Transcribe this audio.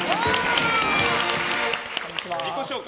自己紹介